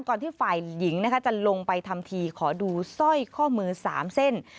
ที่ฝ่ายหญิงนะคะจะลงไปทำทีขอดูสร้อยข้อมือ๓เส้น